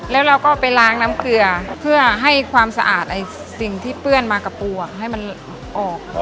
แล้วเราก็ไปล้างน้ำเกลือเพื่อให้ความสะอาดสิ่งที่เปื้อนมากับปูให้มันออก